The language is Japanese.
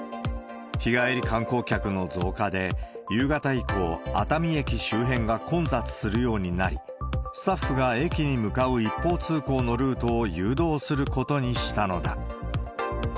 日帰り観光客の増加で、夕方以降、熱海駅周辺が混雑するようになり、スタッフが駅に向かう一方通行のルートを誘導することにしたのだ。